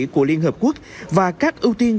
của liên hợp quốc và các ưu tiên